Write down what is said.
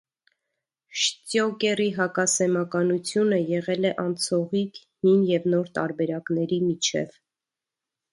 Շտյոկերի հակասեմականությունը եղել է անցողիկ հին և նոր տարբերակների միջև։